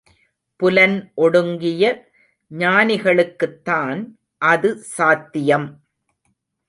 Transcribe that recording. புலன் ஒடுங்கிய ஞானிகளுக்குத்தான் அது சாத்தியம்.